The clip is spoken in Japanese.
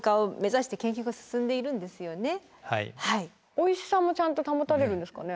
おいしさもちゃんと保たれるんですかね？